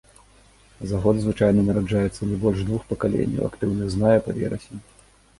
За год звычайна нараджаецца не больш двух пакаленняў, актыўных з мая па верасень.